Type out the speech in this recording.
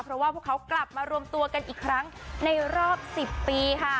เพราะว่าพวกเขากลับมารวมตัวกันอีกครั้งในรอบ๑๐ปีค่ะ